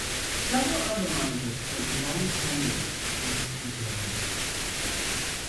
Several other managers spent long tenures with the Braves.